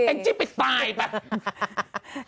โอ้ยแอ้งจี้ไปตายไป